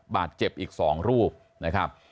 บาดเจ็บอีก๒รูปนะครับ